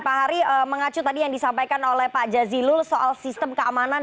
pak hari mengacu tadi yang disampaikan oleh pak jazilul soal sistem keamanan